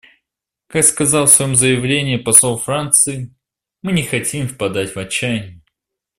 Как сказал в своем заявлении посол Франции, мы не хотим впадать в отчаяние.